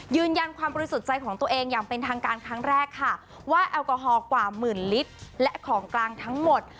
ยืนยันความบริสุทธิ์ใจของตัวเองอย่างเป็นทางการครั้งแรกค่ะว่าแอลกอฮอลกว่าหมื่นลิตรและของกลางทั้งหมด